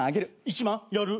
１万？やる。